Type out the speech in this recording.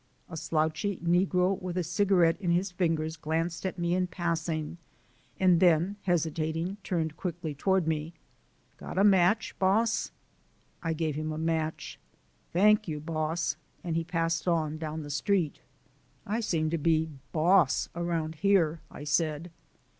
A slouchy negro with a cigarette in his fingers glanced at me in passing and then, hesitating, turned quickly toward me. "Got a match, boss?" I gave him a match. "Thank you, boss," and he passed on down the street. "I seem to be 'boss' around here," I said.